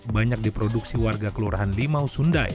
banyak diproduksi warga kelurahan limau sundai